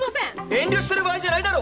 遠慮してる場合じゃないだろ！